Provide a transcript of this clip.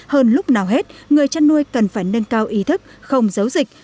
hơn lúc nào hết người chăn nuôi cần phải nâng cao ý thức không giấu dịch